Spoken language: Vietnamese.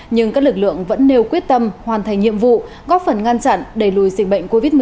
nhưng các lực lượng vẫn nêu quyết tâm hoàn thành nhiệm vụ góp phần ngăn chặn đẩy lùi dịch bệnh covid một mươi chín